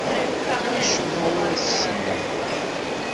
Acemma ur as-selleɣ.